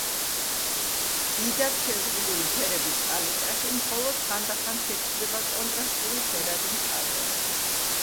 დიდად შეზღუდული ფერების პალიტრაში მხოლოდ ხანდახან ფეთქდება კონტრასტული ფერადი მხარეები.